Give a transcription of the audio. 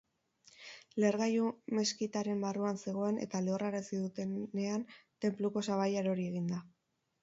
Lehergailua meskitaren barruan zegoen eta leherrarazi dutenean tenpluko sabaia erori egin da.